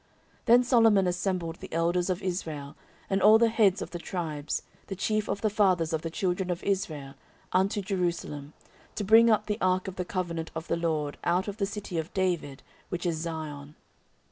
14:005:002 Then Solomon assembled the elders of Israel, and all the heads of the tribes, the chief of the fathers of the children of Israel, unto Jerusalem, to bring up the ark of the covenant of the LORD out of the city of David, which is Zion.